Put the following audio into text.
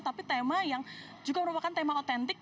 tapi tema yang juga merupakan tema otentik